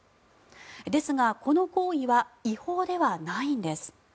ですが、この行為は違法ではないんです。